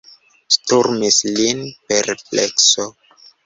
Sturmis lin perplekso.